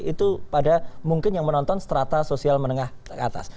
itu pada mungkin yang menonton strata sosial menengah ke atas